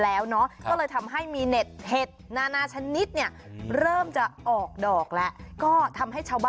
แล้วเนาะกลับมาทำให้มีเห็ดชนิดเนี่ยเริ่มจะออกดอกและก็ทำให้